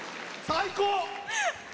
最高！